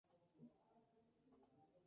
Se ubica al norte, sobre la calle Sarmiento.